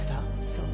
そう。